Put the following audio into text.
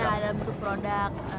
ya dalam bentuk produk